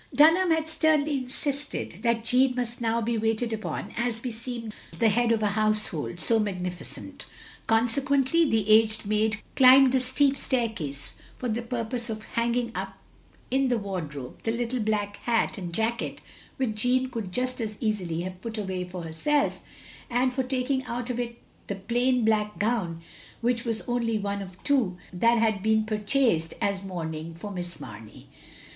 Dunham had sternly insisted that Jeanne must now be waited upon as beseemed the head of a household so magnificent ; consequently the aged maid climbed the steep staircase for the purpose of hanging up in the wardrobe the little black hat and jacket which Jeanne could just as OP GROSVENOR SQUARE 107 easily have put away for herself, and for taking out of it the plain black gown which was only one of two that had been purchased as mourning for Miss Mamey.